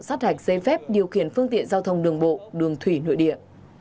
sát hạch giấy phép điều khiển phương tiện giao thông đường bộ đường thủy nội địa